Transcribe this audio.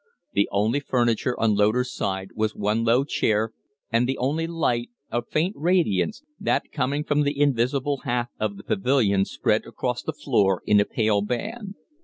The only furniture on Loder's side was one low chair, and the only light a faint radiance that, coming from the invisible half of the pavilion; spread across the floor in a pale band.